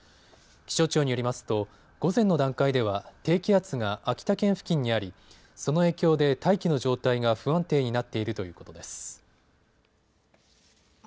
気象庁によりますと午前の段階では低気圧が秋田県付近にありその影響で大気の状態が不安定になっているということです。